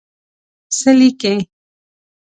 څه لیکې.